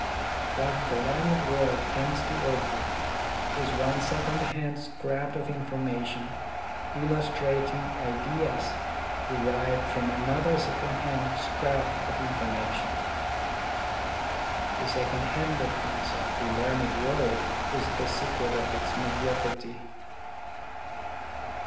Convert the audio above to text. What the learned world tends to offer is one second hand scrap of information illustrating ideas derived from another second hand scrap of information. The second handedness of the learned world is the secret of its mediocrity.